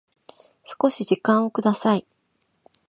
少し時間をください